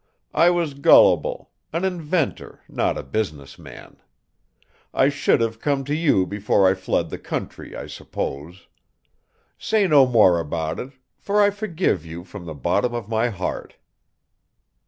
I was gullible, an inventor, not a business man. I should have come to you before I fled the country, I suppose. Say no more about it, for I forgive you from the bottom of my heart."